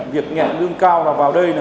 việc nghẹn lương cao là vào đây